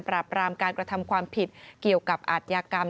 รามการกระทำความผิดเกี่ยวกับอาทยากรรม